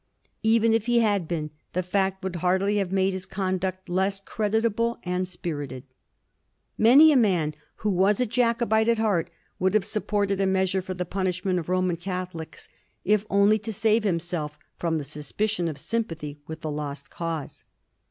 Even if he had been, the fact would hardly have made his conduct less creditable and spirited. Many a man who was a Jacobite at heart would have supported a measure for the punishment of Roman Catholics if only to save himself from the suspicion of sympathy with the lost cause.